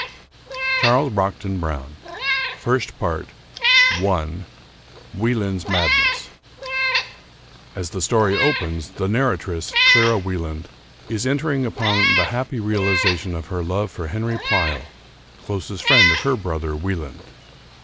222 Charles Brockden Brown FIRST PART I JVi eland's Madness As the story opens, the narratress, Clara Wieland, is entering upon the happy reaUzation of her love for Henry Pleyel, closest friend of her brother "Wieland."